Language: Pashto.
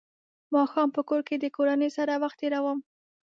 ماښام په کور کې د کورنۍ سره وخت تېروم.